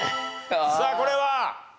さあこれは？